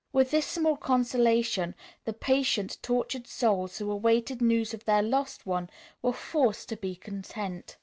With this small consolation, the patient, tortured souls who awaited news of their lost one were forced to be content.